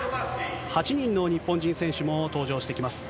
８人の日本人選手も登場してきます。